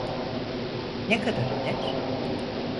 Ne kadar eder?